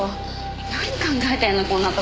何考えてんのこんなとこで。